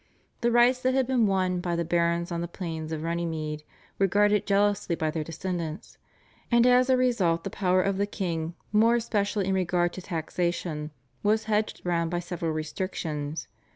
The rights that had been won by the barons on the plains of Runnymede were guarded jealously by their descendants, and as a result the power of the king, more especially in regard to taxation, was hedged round by several restrictions.